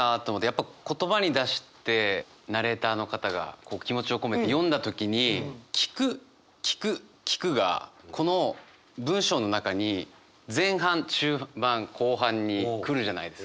やっぱ言葉に出してナレーターの方が気持ちを込めて読んだ時に「聞く聞く聞く」がこの文章の中に前半中盤後半に来るじゃないですか。